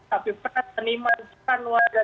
tapi peran seniman peran warga